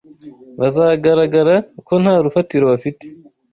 bazagaragara ko nta rufatiro bafite